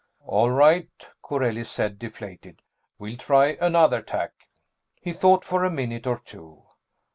"All right," Corelli said, deflated. "We'll try another tack." He thought for a minute or two.